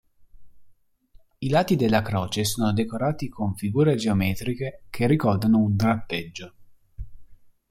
I lati della croce sono decorati con figure geometriche che ricordano un drappeggio.